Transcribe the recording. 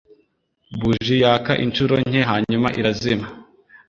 Buji yaka inshuro nke hanyuma irazima.